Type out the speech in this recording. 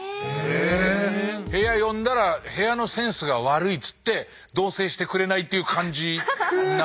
えっ⁉部屋呼んだら部屋のセンスが悪いつって同棲してくれないという感じなんですね。